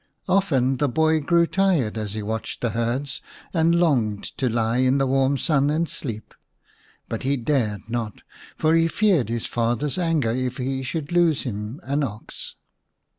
Often the boy grew tired as he watched the herds, and longed to lie in the warm sun and sleep ; but he dared not, for he feared his father's anger if he should lose him an ox.